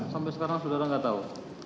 sampai sekarang saudara nggak tahu